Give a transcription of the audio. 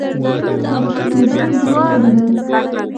هاکي د دوی ملي لوبه ده.